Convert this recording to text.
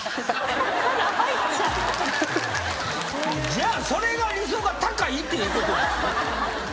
じゃあそれが理想が高いっていうことですよ。